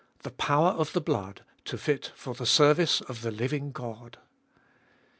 THE POWER OF THE BLOOD TO FIT FOR THE SERVICE OF THE LIVING GOD.